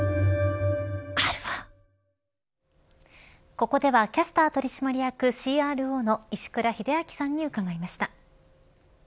ここではキャスター取締役ＣＲＯの石倉秀明さんに伺いました。